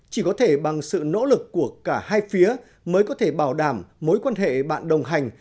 chỉ có thể bằng sự nỗ lực của cả hai phía mới có thể bảo đảm mối quan hệ bạn đồng hành